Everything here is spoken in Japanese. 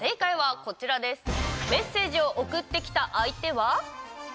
メッセージを送ってきた相手は。